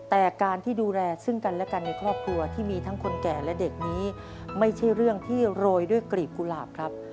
แต่การที่ดูแลซึ่งกันและกันในครอบครัวที่มีทั้งคนแก่และเด็กนี้ไม่ใช่เรื่องที่โรยด้วยกลีบกุหลาบครับ